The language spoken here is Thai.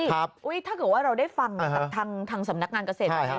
ถ้าเกิดว่าเราได้ฟังทางสำนักงานเกษตรไหน